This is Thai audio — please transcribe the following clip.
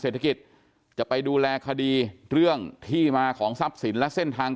เศรษฐกิจจะไปดูแลคดีเรื่องที่มาของทรัพย์สินและเส้นทาง